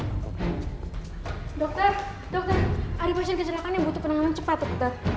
dokter dokter ada pasien kecelakaan yang butuh penanganan cepat dokter